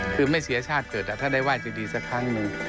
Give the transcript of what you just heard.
คือไม่เสียชาติเกิดถ้าได้ไห้จะดีสักครั้งหนึ่ง